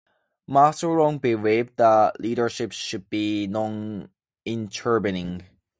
Maslow long believed that leadership should be non-intervening.